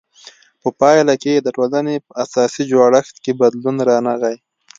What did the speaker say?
په پایله کې د ټولنې په اساسي جوړښت کې بدلون رانغی.